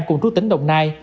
cùng trú tỉnh đồng nai